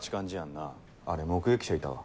なあれ目撃者いたわ。